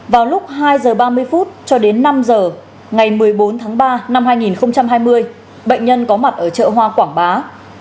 vào lúc hai h ba mươi cho đến năm h ngày một mươi bốn tháng ba năm hai nghìn hai mươi bệnh nhân có mặt ở chợ hoa quảng bá